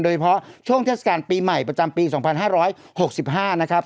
โดยเพราะช่วงเทศกาลปีใหม่ประจำปีสองพันห้าร้อยหกสิบห้านะครับ